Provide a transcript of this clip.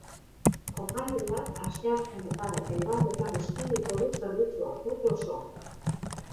Konpainiak asteazkenetan eta igandetan eskainiko du zerbitzua, urte osoan.